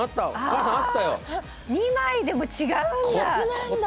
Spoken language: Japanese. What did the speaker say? ２枚でも違うんだ。